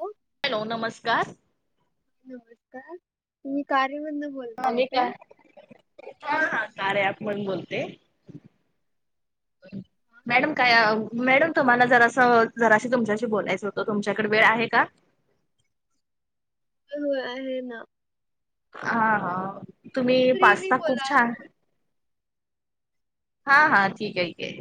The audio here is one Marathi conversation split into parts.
हो हॅलो नमस्कार नमस्कार मी कार्य मधनं बोल आणि काय? हा हा कार्य ऑप वर बोलते. मॅडम काय आ? मॅडम तुम्हाला जरासं ह जराशी तुमच्याशी बोलायचं होतं तुमच्याकडे वेळ आहे का? हो आहे ना. हा तुम्ही फ्रीली पास्ता खूप बोला छान. असं. हा हा ठीक आहे की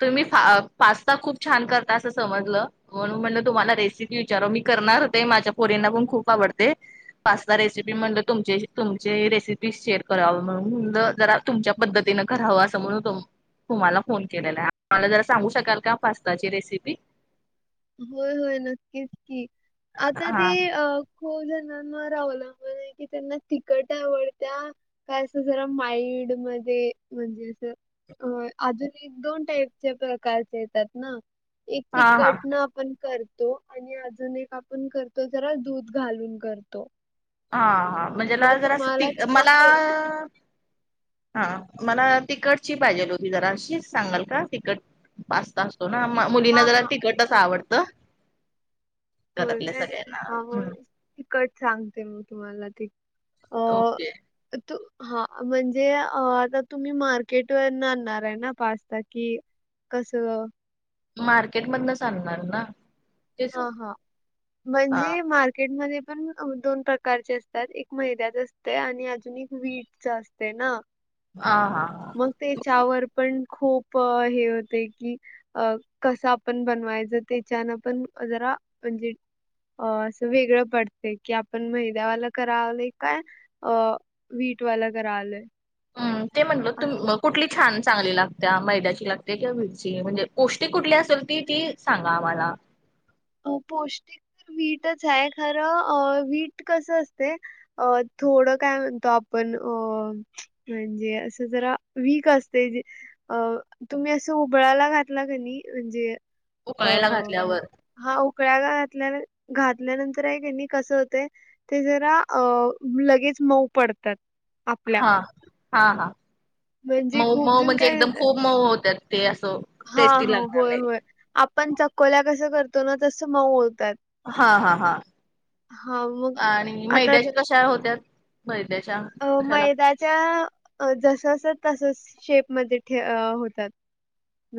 तुम्ही फा पास्ता खूप छान करता असं समजलं. म्हणून म्हणलं तुम्हाला रेसिपी विचाराव मी करणार होते माझ्या पोरींना पण खूप आवडते. पास्ता रेसिपी म्हणलं तुम तुमचे रेसिपी शेअर कराव म्हणून म्हणलं जरा. तुमच्या पद्धतीनं करावं असं म्हणून तो? तुम्हाला फोन केलेला मला जरा सांगू शकाल का पास्ताची रेसिपी? होय होय नक्कीच की आता हा ते अ? हो ज्यांना ना रावला की त्यांना तिकट आवडत्या.? काय असं जरा माइड मध्ये म्हणजे अस. अ आजुून एक दोन टाईपचे प्रकारचे येतात ना एक हा हा तिखट. आपण करतो आणि अजून एक आपण करतो जरा दूध घालून करतो. हा हा म्हणजे मग लाल जरां स तुम्हाला तीख त्याच्या मला? क- हा मला तिखटची पाहिजेल होती जराशी सांगाल का तिकट पास्ता हो ना म मुलीना हा जरा हा तिकटच हा आवडत. घरातल्या सगळ्यांना हम् तिकट सांगते मी तुम्हाला ती अ ओके तू हा म्हणजे आ आता तुम्ही मार्केट वरण आणणार आहे ना पास्ता कि? कसं? मार्केटमधनच आणणार ना? तेच हा हा हा म्हणजे मार. र्केट मध्ये पण दोन प्रकारचे असतात एक मैद्याच असतं आणि अजून एक वीटच असत. ते ना? अ हा हा. मग तेच्यावर पण खूप हे होते की. अ कसं आपण बनवायचं त्याच्यान पण जरा म्हणजे. अ असं वेगळं पडते की आपण मैद्यावाल करावलेय काय? अ वीटवाल करायलोय. हम्म ते म्हणलं तुम मग कुठली? छान चांगली लागतीया मैद्याची लागतीया किंवा विट ची म्हणजे पौष्टिक कुठली असेल ती ती सांगा आम्हाला. अ पौष्टिक तर वीटच आहे खरं वीट कसं असतय अ थोडं काय म्हणतो आपण अ म्हणजे असं जरा वीक असतय. अ तुम्ही असं हुबळाला घातला क नाही म्हणजे अ. उकळायला घातल्यावर हा उकळायला घातल्या घातल्यानंतर हाय काय नाही कस होतय. ते जरा अ लगेच मऊ पडतात आप. ह हा हा म्हणजे मऊ खूप मऊ जण म्हणजे काय करतात एकदम खूप मऊ होत्यात ते असं हा टेस्टी हा लागणार होय नाहीत. होय आपण चकोल्या कसं करतो ना तसं मऊ होत्यात. हा हा हा मग आणि आता मैद्याच्या कशा होत्या मैद्याच्या? अ कशाला मैदाच्या जस च तसच शेपमध्ये ठ होतात.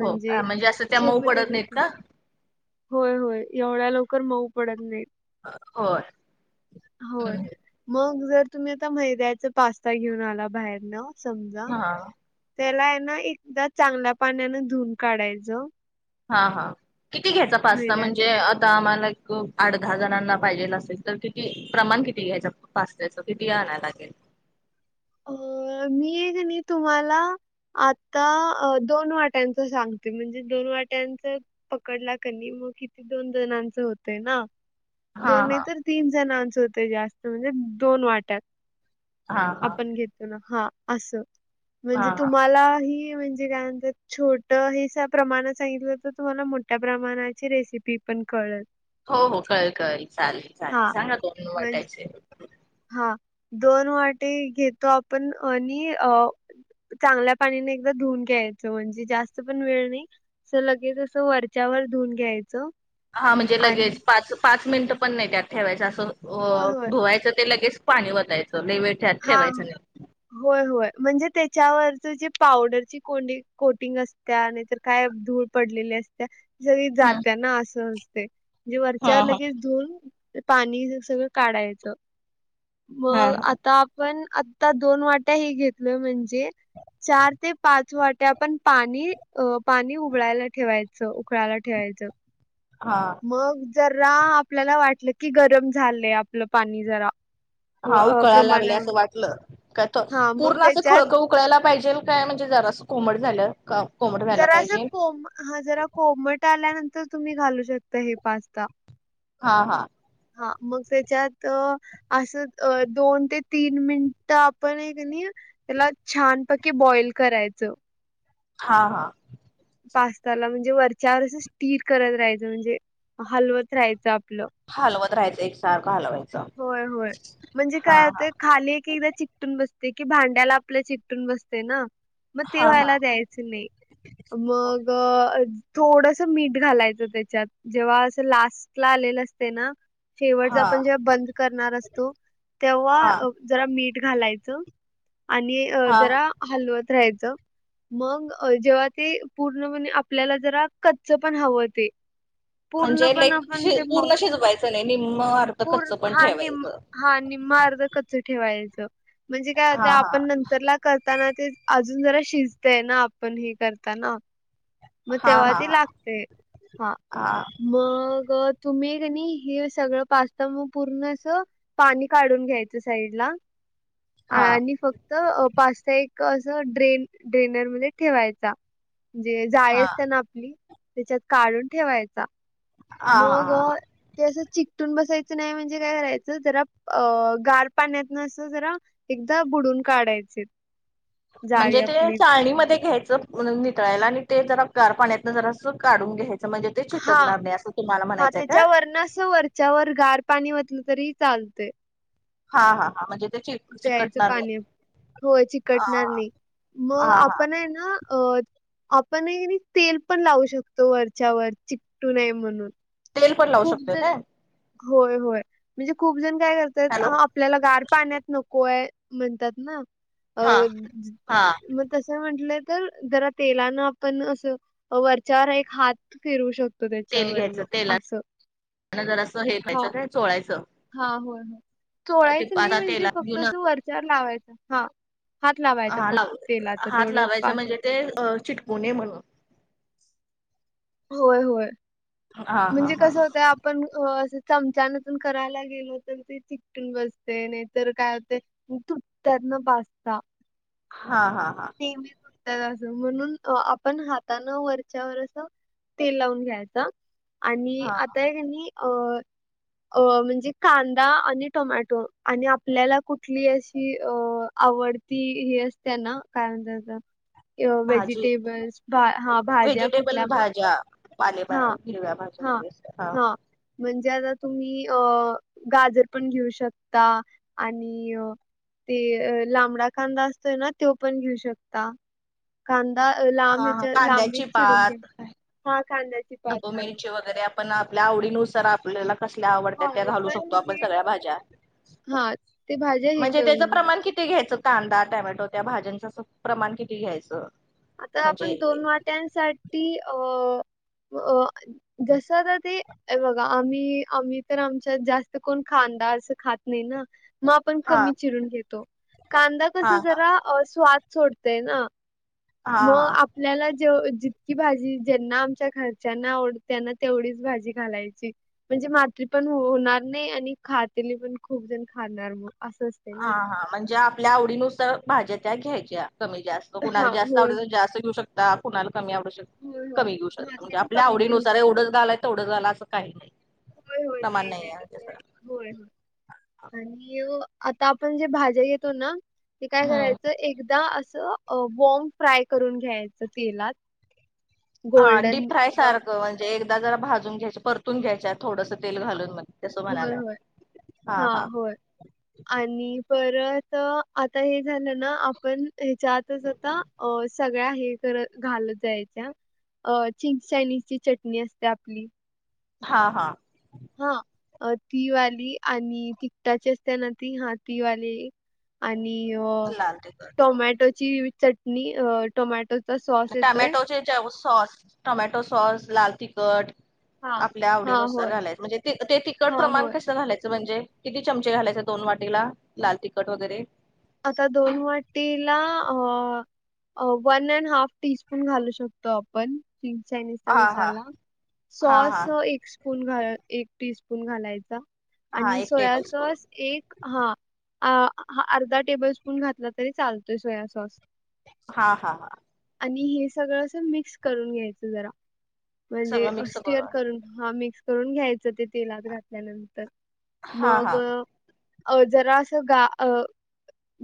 हो हा, असं त्या मऊ पडत नाहीत शेपमध्येच. का होय होय एवढ्या लवकर मऊ पडत नाहीत. होय होय हम्म मग जर तुम्ही आता मैद्याचा पास्ता घेऊन आला बाहेरनं समजा हा त्याला आहे ना एकदा चांगल्या पाण्यानं धुन काढायचं. हा हा किती घ्यायचा पास्ता मैदा म्हणजे अत आता आम्हाला एक आठ दहा जणांना पाहिजेला असेल तर किती प्रमाण किती घ्यायचं. पस्त्याच किती आणाय लागेल? अ मी कणी तुम्हाला आता दोन वाट्यांच सांगते म्हणजे दोन वाट्यांचं पकडला कनी मग किती दोन जणांचं होतय ना. हा दोन नाही हा तर तीन जणांच होते जास्त म्हणजे दोन वाट्यात हा हा आपण घेतो ना हा असं हा म्हणजे हा. तुम्हाला ही म्हणजे काय म्हणत्यात छोट हे सा प्रमाणात सांगितलं होत तुम्हाला मोठ्या प्रमाणाची रेसिपी ती पण कळल. हो हो कळल कळल चालेल चालेल हां, सांगा तुम्ही वाट्याचे. हा दोन वाटी घेतो आपण आणि अ चांगल्या पाण्याने एकदा धुवून घ्यायचं म्हणजे जास्त पण वेळ नाही सो लगेच अस वरच्यावर धुऊन घ्यायचं हा म्हणजे आणि लगेच पाच पाच मिनिटं पण नाही त्यात ठेवायचं असं होय होय धुवायचं ते लगेच पाणी वतायचं लय वेळ त्यात हा ठेवायचं नाही. होय होय म्हणजे त्याच्यावरच जे पावडरची ती कोडी कोटिंग असत्या नाहीतर काय धूळ पडलेली असत्या सगळी हम्म जाते ना असं असते म्हणजे हा वरच्या हा लगेच धुऊन ते पाणी ते सगळं काढायचं हा मग हा आत आत्ता आपण आता दोन वाट्या हे घेतलय म्हणजे चार ते पाच वाट्या आपण पाणी अ पाणी उबळायला ठेवायचं उकळायला ठेवायचं. हा. मग जरा आपल्याला वाटलं की गरम झालंय आपलं पाणी जरा हो हा अप उकळायला लागलंय अस वाटलं का तो मग पूर्ण अस त्याच्यात खळखळू उकळायला पाहिजेल काय म्हणजे जरासं कोमट झाल्यावर का कोमट व्हायला जरा असं पाहिजे कोम हा जरा कोमट आल्यानंतर तुम्ही घालू शकता हे पास्ता. हा हा. हा मग त्याच्यात असं अ दोन ते तीन मिनिट आपण हे कनी त्याला छानपैकी बॉइल करायचं हा हा. पास्ताला म्हणजे वरच्यावर स्टिर करत राहायचं म्हणजे हलवत राहायचं आपलं हलवत राहाचं एक सारखं हलवायचं. होय होय म्हणजे हा काय होत खाली एक एकदा ची चटून बसते कि भांड्याला आपल्या चिटून बसते ना मग ते हा हा व्हायला द्यायचं नाही. मग थोडस मीठ घालायचं त्याच्यात. जेव्हा असं लास्ट ला आलेलं असते ना शेवटचा हा आपण जेव्हा बंद करणार असतो तेव्हा हा हा अ जरा मीठ घालायचं आणि हा जरा हलवत राहायचं. मग जेव्हा ते पूर्ण म्हणे आपल्याला जरा कच्च पण हवं ते पूर्ण म्हणजे पण लइं क आपण शिज ते म पूर्ण शिजवायचं नाही निम्म अर पूर्ण हा निम हा निम्म अर्ध कच्च ठेवायचं म्हणजे काय होतय हा आपण नं तर ला करताना ते अजून जरा शिजतय ना आपण हे करताना मग हा तेव्हा हा ती हा लागते हा. मग तुम्ही कनी हे सगळं पा तुम्ही पूर्ण अस पाणी काढून घ्यायचं साईड ला हा हा आणि फक त पास्ता एक असं ड्रेन ड्रेनर मध्ये ठेवायचा. म्हणजे जाळी असते ना आपली त्याच्यात काढून ठेवायचा हा हा मग हा तें चिकटून बसायचं नाही म्हणजे काय करायचं जरा अ गार पाण्यात नस जरा एकदा बुडून काढायचे जाळी म्हणजे ते आपली चाळणीमध्ये घ्यायचं म्हणून नितळायला आणि ते जरा गार पाण्यातन जरा काढून घ्यायच म्हणजे ते चिटकणार नाही असं तुम्हाला म्हणायचंय का पण असं वर त्याच्यावर गार पाणी वतलं तरी चालते हा हा हां म्हणजे त्याची प्यायचं पाणी होय हा चिकटणार नाही हा मग हा हा आपण आहे ना अ आपण तेल पण लावू शकतो वरच्यावरर चिक्टू नये म्हणून तेल पण लावू खूप शकत जण का होय होय म्हणजे खूपजण काय करतय हॅलो आपल्याला गार पाण्यात नको आहे म्हणतात ना अ हा हा म तस म्हटलं तर जरा तेलान आपण असं वरच्यावर एक हात फिरू शकतो तो त्याच्यावरन असं जरा असं हे हा कयचं काय चोळायचं हा होय ते चोळायचं नाही आता म्हणजे तेलात फक्त घेऊन अस वरच्यावर लावायच हा हात लावायचा हा फक्त लाव तेलाचं हात तेवढंच लावायच पास म्हणजे होतंय. ते चिटकुणे म्हणून होय होय हा हा म्हणजे हा कस होतं पण अस चमचा नेपन करायला गेलो तर ते चिकटून बसते नाहीतर काय होते तुटतात न पास्ता हा हा हा नेहमी म्हणून आपण हाताानं वरच्यावर अस तेल लावून घ्यायचा आणि हा आता आहे का नाही अ अ म्हणजे कांदा आणि टोमॅटो आणि आपल्याला कुठली अशी अ आवडती ही असतेन काय म्हणता त्याला भाजी व्हेजिटेबल्स हा भाज्या कुठल्या पण पाले पा हा हिरव्या भाज्या हा वगैरे अस हा म्हणजे आता तुम्ही अ गाजर पण घेऊ शकता आणि ते लांबडा कांदा असतोय ना तो पण घेऊ शकता कांदा लांब हा हा ह्याच्या लांबी कांद्याची चिरून घ्या पात हा कांदा ढबू मिरची वगैरे आपण आपल्या आवडीनुसार आपल्याला कसल्या आवडत त्या हा घालू पण शकतो आपण हे सगळ्या भाज्या हा ते भाज्या हे म्हणजे करून त्याच घ्याय प्रमाण कि किती घ्यायचं कांदा टमॅटो त्या भाज्यांच प्रमाण किती घ्यायचं. आता म्हणजे आपण दोन वाट्यांसाठी अ जस तर ते अ बघा आम्ही आम्ही तर आमच्यात जास्त कोण खांदा असं खात नाही ना मग आपण हा कमी चिरून घेतो कांदा हा कसा हा जरा स्वाद सोडतय ना हा मग आप हा. आपल्याला जेव जितकी भाजी ज्यांना आमच्या घरच्यांना आवड त्यांना तेवढीच भाजी घालायची म्हणजे माती पण होणार नाही आणि खातली पण खूप जण खाणार असं हा ना हा म्हणजे आपल्या आवडीनुसार भाज्या त्या घ्यायच्या कमी जास्त कुणाला हा जास्त होय आवडेतल जास्त घेऊ शकता काुणाला कमी आवडू होय शकता होय कमी घेऊ हा शकता म्हणजे त्यांनी आपल्या कमी घेऊ आवडीनुसार शकतो एवढंच झाालाय तेवढंच झााला असं काही नाही होय, होय. समान नाही तसं आहे नाही. होय होय आणि आता आपण जे भाज्या घेतो ना ते काय हम्म. करायचं एकदा असं बॉ्ंग फ्राय करून घ्यायचं तेलात हा डीप गोल्डन फ्राय ब्राऊन सारखं म्हणजे एकदा जरा भाजून घ्यायच परतून घ्यायचय थोडस तेल घालून मग तसं होय, म्हणालाय होय. हा हा हां, होय. आणि परत आता हे झालं ना आपण ह्याच्या आतच आता अ सगळ्या हे करत घालत जायच्या अ चिंग चायनीज ची चटणी असते आपली हा हा हा ती वाली आणि तिकटाची असते ना ती हा ती वाली आणि अ लाल तिखट टोमॅटोची चटणी टोमॅटो टमॅटोचे जे सॉस टमॅटो सॉस लाल तिखट हां. आपल्या हां, आवडीनुसार होय. घालायचं म्हणजे ते तिकट हां, प्रमाण होय. कसं घालायचं म्हणजे? किती चमचे घालायचं दोन वाटीला लाल तिखट वगैरे आता दोन वाटीला अ one and half teaspoon घालू शकतो आपण चायनीज चा हा हा मसाला हा सॉस हा स्पून घाल एक टी स्पून घालायचा हा आणि एक सोया टेबल स्पून सॉस एक हा अर्धा टेबल स्पून घातला तरी चालतोय सोया सॉस हा हा आणि हे सगळं असं मिक्स करून घ्यायचं जरा म्हणजे सगळं मिक्स स्टीयर करून हा मिक्स करून घ्यायचं ते तेलात घातल्यानंतर हा हा मग अ जरासं गा अ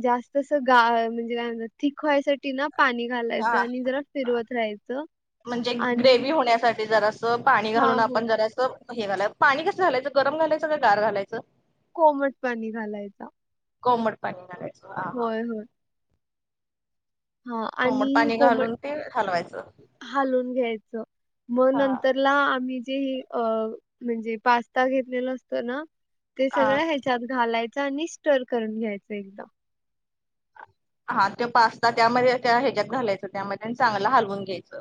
जास्त अस गा म्हणजे काय म्हणता थीक व्हयसाठी ना पाणी घालायचं हा आणि जरा फिरवत राहायचं म्हणजे आणि ग्रेव्ही होण्यासाठी जरास पाणी हा घालून होय आपण जराचं हे घालाय पाणी कसं घालायचं गरम घालायचं का गार घालायचं? कोमट पाणी घालायचा कोमड पाणी घालायच ह हा हा होय होय हा कोमट आणि पाणी कोमट घालून ते हलवायचं हालून घ्यायचं मग हा नंतर ला आम्ही जे अ म्हणजे पास्ता घेतलेला असतो ना? ते हा सगळं ह्याच्यात घालायचं आणि स्टर करून घ्यायचं एकदम हा त्यो पास्ता त्यामध्ये त्या ह्याच्यात घालायचं त्यामध्ये आणि चांगलं हलवून घ्यायचं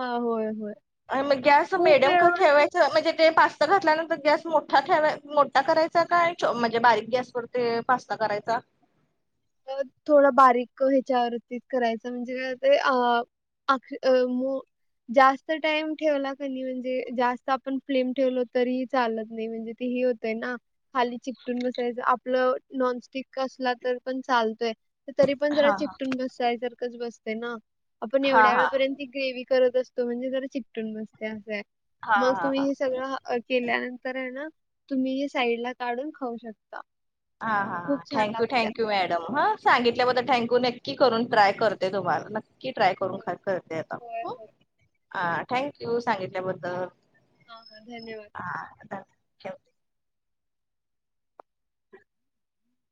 हा होय होय अ मग गॅस खूप मेडम का वेळ ठेवायचं म्हणजे ते पास्त घातल्यानंतर गॅस मोठा ठेवाय मोठा करायचा का आणि म्हणजे बारीक गॅसवर? ते पास्ता करायचा? थोडा बारीक ह्याच्यावरती करायचं म्हणजे काय होतय अ अ अ मो जास्त टाइम ठेवला की नाही म्हणजे जास्त आपण फ्लेम ठेवलो तरी चालत नाही म्हणजे ते हे होत तय ना खाली चिकटून बसायचं आपलं नॉनस्टिक असला तर पण चालतोय तरी पण जरा हा हा चिकटून बसाय सारखचं बसतोय ना? आपण हा एवढ्या हा वेळपर्यंत ती ग्रेव्ही करत असतो म्हणजे जरा चिकटून बस्तय असंय हा मग तुम्ही हा हे सगळं केल्यानंतरय ना तुम्ही हे साईड ला काढून खाऊ शकता हां हां खूप छान थँक्यू लागत्या थँक्यू मॅडम हां सांगितल्याबद्दल थँक्यू नक्क नकी करून ट्राय करते तुम्हाला नक्की ट्राय करून होय करते आता होय हं होय. हा थँक्यू सांगितल्याबद्दल हा हा धन्यवाद हा धन्य